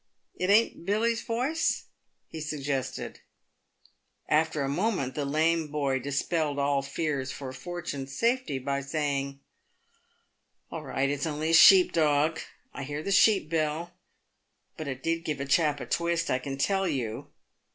" It ain't Billy's voice ?" he suggested. After a moment, the lame boy dispelled all fears for Fortune's safety by saying, " All right ! it's only a sheep dog. I hear the sheep bell. But it did give a chap a twist, I can tell you!"